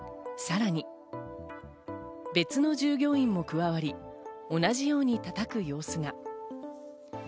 さらに、別の従業員も加わり、同じように叩く様子が。